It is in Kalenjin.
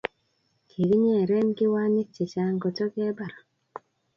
Kikinyeren kjwanyik che chang koto kebar